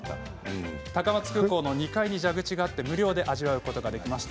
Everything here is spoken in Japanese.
高松空港の２階に蛇口があって無料で味わうことができます。